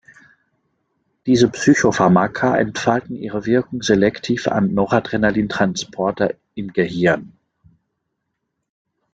Diese Psychopharmaka entfalten ihre Wirkung selektiv am Noradrenalin-Transporter im Gehirn.